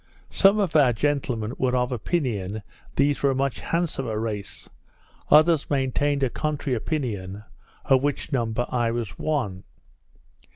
Some of our gentlemen were of opinion these were a much handsomer race; others maintained a contrary opinion, of which number I was one.